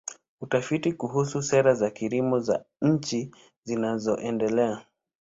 Utafiti kuhusu sera za kilimo za nchi zinazoendelea.